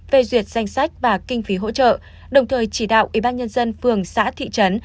về duyệt danh sách và kinh phí hỗ trợ đồng thời chỉ đạo ubnd phường xã thị trấn